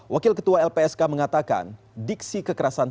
wakil ketua lpsk mengatakan